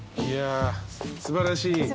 いや素晴らしい。